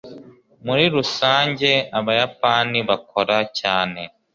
muri rusange, abayapani bakora cyane